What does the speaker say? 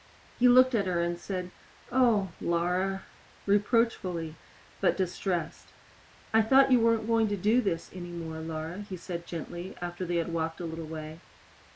He looked at her and said, "O, Laura!" reproachfully, but distressed. "I thought you weren't going to do this any more, Laura," he said gently, after they had walked a little way.